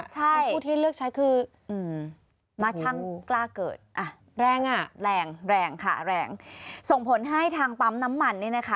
ใช่ผู้ที่เลือกใช้คือมาช่างกล้าเกิดอ่ะแรงอ่ะแรงแรงค่ะแรงส่งผลให้ทางปั๊มน้ำมันเนี่ยนะคะ